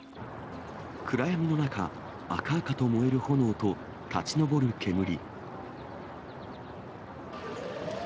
暗闇の中、赤々と燃える炎と立ち上る煙。